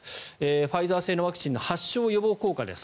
ファイザー製のワクチンの発症予防効果です。